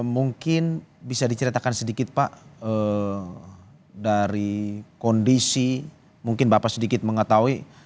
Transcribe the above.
mungkin bisa diceritakan sedikit pak dari kondisi mungkin bapak sedikit mengetahui